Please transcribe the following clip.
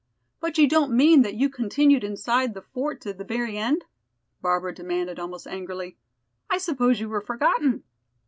"But you don't mean that you continued inside the fort to the very end?" Barbara demanded almost angrily. "I suppose you were forgotten."